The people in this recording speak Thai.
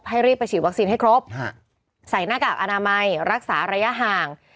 ให้รีบไปฉีดวัคซีนให้ครบใส่หน้ากากอนามัยรักษาระยะห่าง